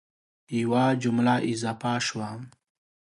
یوه جمله اضافه شوه